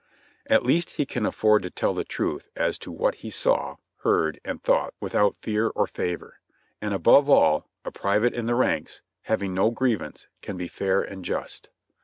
At least he can afford to tell the truth as to what he saw, heard and thought without fear or favor. And above all, a private in the ranks, having no grievance, can be fair and just.